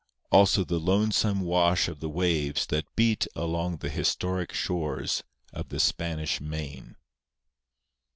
Also the lonesome wash of the waves that beat along the historic shores of the Spanish Main.